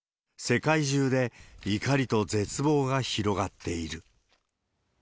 世界中で怒りと絶望が広がっている。